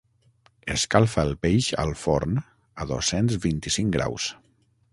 Escalfa el peix al forn a dos-cents vint-i-cinc graus.